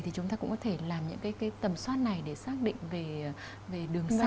thì chúng ta cũng có thể làm những tầm soát này để xác định về đường xác